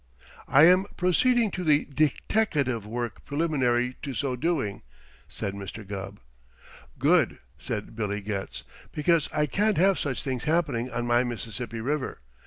"I am proceeding to the deteckative work preliminary to so doing," said Mr. Gubb. "Good!" said Billy Getz. "Because I can't have such things happening on my Mississippi River.